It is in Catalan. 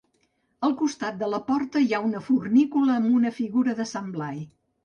Al costat de la porta hi ha una fornícula amb una figura de Sant Blai.